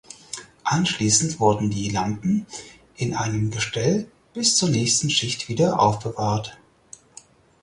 Anschließend wurden die Lampen in einem Gestell bis zur nächsten Schicht wieder aufbewahrt.